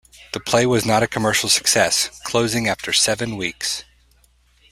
The play was not a commercial success, closing after seven weeks.